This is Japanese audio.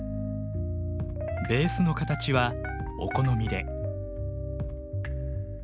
ベースの形はお好みで。